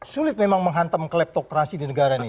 sulit memang menghantam kleptokrasi di negara ini